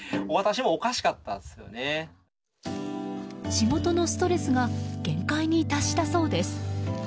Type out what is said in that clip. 仕事のストレスが限界に達したそうです。